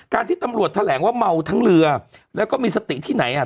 ที่ตำรวจแถลงว่าเมาทั้งเรือแล้วก็มีสติที่ไหนอ่ะ